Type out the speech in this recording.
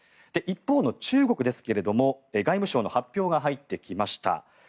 一方の中国ですが外務省の発表が入ってきました。